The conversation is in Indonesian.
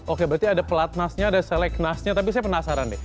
oke berarti ada pelat nasnya ada selek nasnya tapi saya penasaran nih